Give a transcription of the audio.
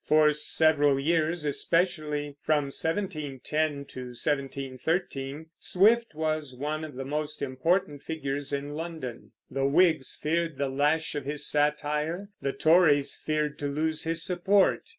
For several years, especially from 1710 to 1713, Swift was one of the most important figures in London. The Whigs feared the lash of his satire; the Tories feared to lose his support.